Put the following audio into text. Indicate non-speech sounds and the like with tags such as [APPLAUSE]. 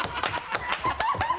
ハハハ [LAUGHS]